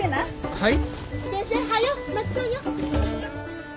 はい。